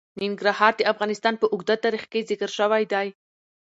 ننګرهار د افغانستان په اوږده تاریخ کې ذکر شوی دی.